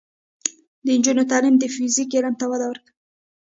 د نجونو تعلیم د فزیک علم ته وده ورکوي.